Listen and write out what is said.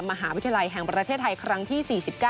มหาวิทยาลัยแห่งประเทศไทยครั้งที่๔๙